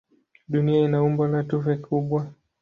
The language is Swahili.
Dunia ina umbo la tufe kubwa.